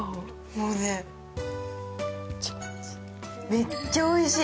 めっちゃおいしい。